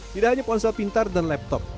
tidak hanya ponsel pintar dan laptop